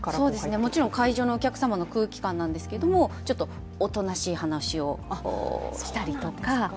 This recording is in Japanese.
もちろん会場のお客様の空気感なんですけどちょっとおとなしい話をしたりとか。